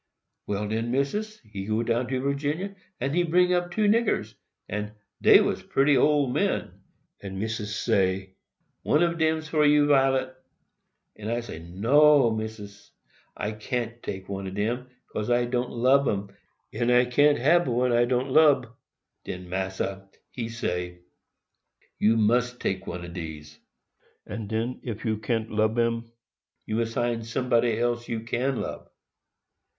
Well, den, Missis, he go down Virginia, and he bring up two niggers,—and dey was pretty ole men,—and Missis say, 'One of dem's for you, Violet;' but I say, 'No, Missis, I can't take one of dem, 'cause I don't lub 'em, and I can't hab one I don't lub.' Den Massa, he say, 'You must take one of dese—and den, ef you can't lub him, you must find somebody else you can lub.